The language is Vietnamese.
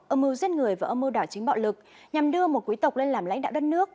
âm mưu giết người và âm mưu đảo chính bạo lực nhằm đưa một quý tộc lên làm lãnh đạo đất nước